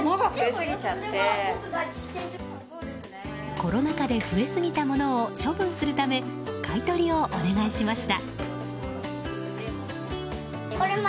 コロナ禍で増えすぎたものを処分するため買い取りをお願いしました。